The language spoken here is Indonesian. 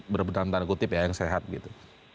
berebutan tanda kutip ya yang sehat gitu